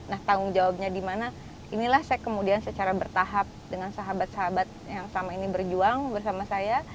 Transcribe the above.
nah tanggung jawabnya di mana inilah saya kemudian secara bertahap dengan sahabat sahabat yang selama ini berjuang bersama saya